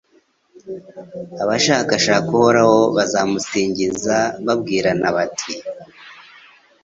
abashakashaka Uhoraho bazamusingiza babwirana bati